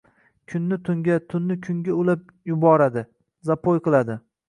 Kunni tunga, tunni kunga ulab juboradi, zapoy qiladi